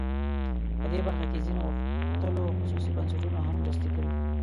په دې برخه کې ځینو غښتلو خصوصي بنسټونو هم مرستې کړي.